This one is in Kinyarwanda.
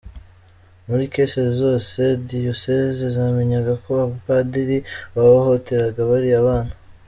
Muri cases zose, diyioseze zamenyaga ko abapadri bahohoteraga bariya bana.